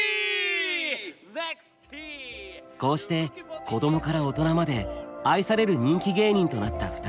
こうして子どもから大人まで愛される人気芸人となった２人。